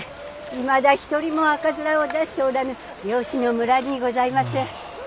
いまだ一人も赤面を出しておらぬ猟師の村にございます。